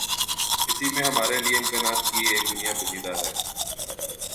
اسی میں ہمارے لیے امکانات کی ایک دنیا پوشیدہ ہے۔